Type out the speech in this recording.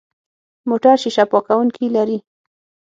موټر شیشه پاکونکي لري.